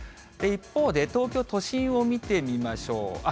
一方で、東京都心を見てみましょう。